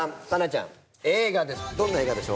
どんな映画でしょうか？